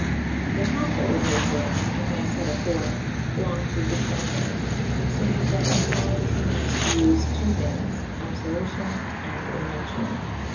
The contrary places (as I fayd afore) long to the defender / faue that in fignes he muft vfe .ii. thinges / abfolutio« and inuencio«.'